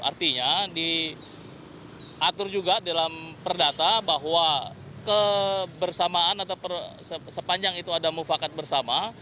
artinya diatur juga dalam perdata bahwa kebersamaan atau sepanjang itu ada mufakat bersama